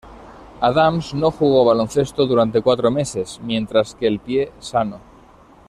Adams no jugó baloncesto durante cuatro meses, mientras que el pie sano.